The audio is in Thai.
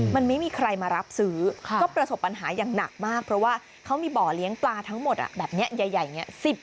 มันไม่มีใครมารับซื้อก็ประสบปัญหาอย่างหนักมากเพราะว่าเขามีบ่อเลี้ยงปลาทั้งหมดแบบนี้ใหญ่อย่างนี้